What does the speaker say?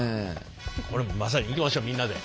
これもまさにいきましょみんなで。